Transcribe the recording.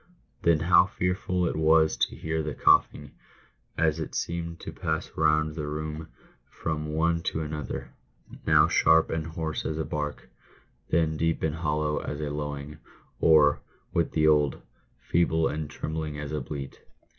Then how fearful it was to hear the coughing, as it seemed to pass round the room from one to another, now sharp and hoarse as a bark, then deep and hollow as a lowing, or — with the old — feeble and trembling as a bleat.